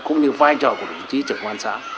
cũng như vai trò của đồng chí trưởng công an xã